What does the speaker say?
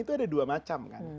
itu ada dua macam